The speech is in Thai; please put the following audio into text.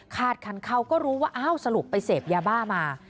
คันเขาก็รู้ว่าอ้าวสรุปไปเสพยาบ้ามา